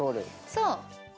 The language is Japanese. そう。